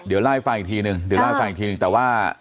เดี๋ยวเล่าให้ฟังอีกทีนึงเดี๋ยวเล่าให้ฟังอีกทีนึงแต่ว่า